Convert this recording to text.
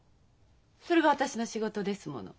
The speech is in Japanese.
それが私の仕事ですもの。